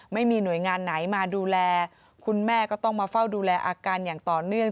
ไม่มีหน่วยงานไหนมาดูแลคุณแม่ก็ต้องมาเฝ้าดูแลอาการอย่างต่อเนื่อง